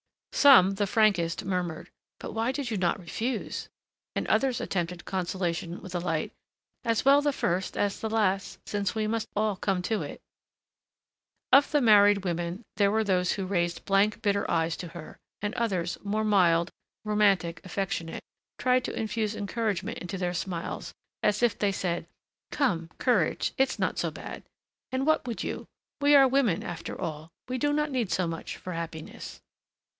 Some, the frankest, murmured, "But why did you not refuse?" and others attempted consolation with a light, "As well the first as the last since we must all come to it." Of the married women there were those who raised blank, bitter eyes to her, and others, more mild, romantic, affectionate, tried to infuse encouragement into their smiles as if they said, "Come courage it's not so bad. And what would you? We are women, after all; we do not need so much for happiness.